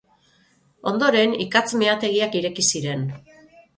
Ondoren ikatz meategiak ireki ziren.